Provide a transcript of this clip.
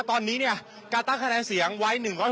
ตอนนี้เนี่ยการตั้งคะแนนเสียงไว้๑๒